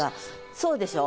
そうでしょ？